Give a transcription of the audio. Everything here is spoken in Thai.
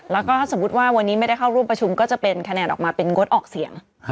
แล้วก็ถ้าสมมุติว่าวันนี้ไม่ได้เข้าร่วมประชุมก็จะเป็นคะแนนออกมาเป็นงดออกเสียง